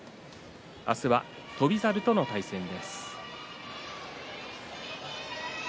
明日は翔猿との対戦です。